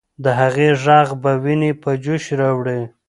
د هغې ږغ به ويني په جوش راوړي.